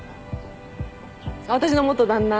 私の元旦那。